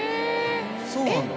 そうなんだ。